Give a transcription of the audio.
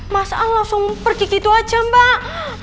mas aang langsung pergi gitu aja mbak